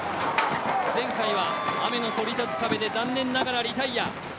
前回は雨のそり立つ壁で残念ながらリタイア。